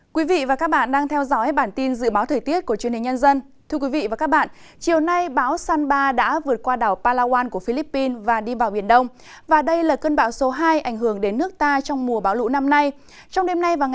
các bạn hãy đăng ký kênh để ủng hộ kênh của chúng mình nhé